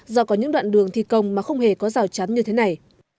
do có những đoạn đường thi công mà không hề có rào chắn như thế này